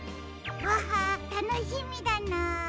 わたのしみだな。